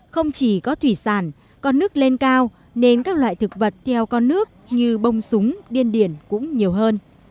không chỉ có thủy sản con nước lên cao nên các loại thực vật theo con nước như bông súng điên điển cũng nhiều hơn